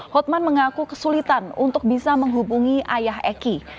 hotman mengaku kesulitan untuk bisa menghubungi ayah eki